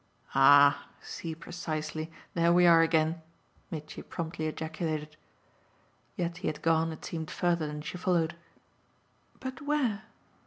"Ah see precisely there we are again!" Mitchy promptly ejaculated. Yet he had gone, it seemed, further than she followed. "But where?"